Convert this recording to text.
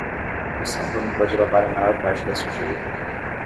O sabão pode lavar a maior parte da sujeira.